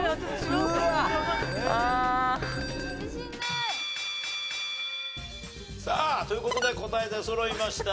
うわっ！さあという事で答え出そろいました。